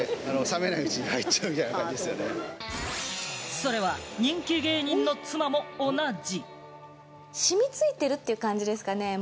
それは人気芸人の妻も同じ。